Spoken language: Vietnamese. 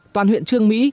toàn huyện trương mỹ